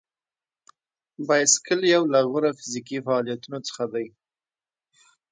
بایسکل یو له غوره فزیکي فعالیتونو څخه دی.